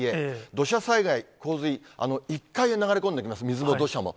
土砂災害、洪水、１階へ流れ込んできます、水も土砂も。